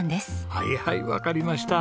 はいはいわかりました。